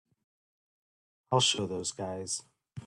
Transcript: I'll show those guys.